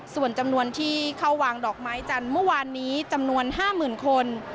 ส่วนจำนวนที่เข้าวางดอกไม้จันทร์เมื่อวานนี้จำนวน๕๐๐๐คน